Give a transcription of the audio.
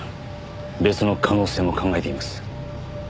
別の可能性も考えています。